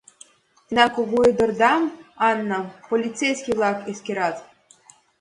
Тендан кугу ӱдырдам, Аннам, полицейский-влак эскерат.